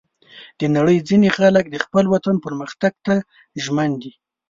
د نړۍ ځینې خلک د خپل وطن پرمختګ ته ژمن دي.